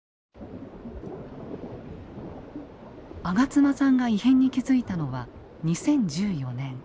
吾妻さんが異変に気付いたのは２０１４年。